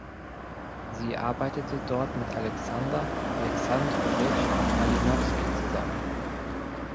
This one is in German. Sie arbeitete dort mit Alexander Alexandrowitsch Malinowski zusammen.